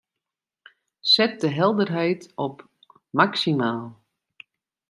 Set de helderheid op maksimaal.